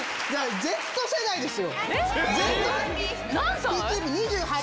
Ｚ世代ですよ。